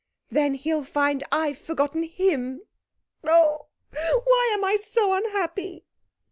'Then he'll find I've forgotten him. Oh, why am I so unhappy?'